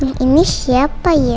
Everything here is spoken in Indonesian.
yang ini siapa ya